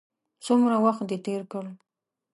څومره وخت دې تېر کړ.